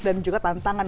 dan juga tantangan